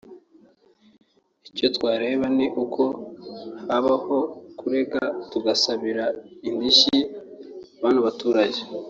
Icyo twareba ni uko habaho kurega tugasabira indishyi bano baturage